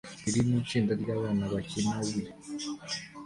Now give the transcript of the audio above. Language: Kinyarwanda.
Iri ni itsinda ryabana bakina Wii